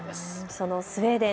そのスウェーデン